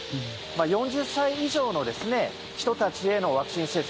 ４０歳以上の人たちへのワクチン接種